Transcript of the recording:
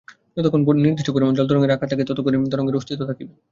যতক্ষণ নির্দিষ্ট পরিমাণ জল তরঙ্গের আকারে থাকে, ততক্ষণই তরঙ্গের অস্তিত্ব থাকিবে।